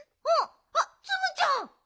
あっツムちゃん。